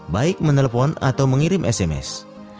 baik menelpon atau mengirim sms